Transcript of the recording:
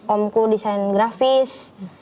omku desain grafis